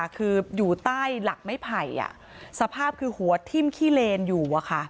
คืออยู่ใต้หลักไม้ไผ่สภาพคือหัวทิ้มขี้เลนอยู่